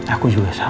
aku juga sama